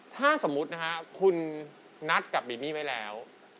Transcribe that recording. ถ้าสมมุตินะฮะคุณนัดกับบีมี่ไว้แล้ว